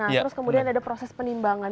nah terus kemudian ada proses penimbangan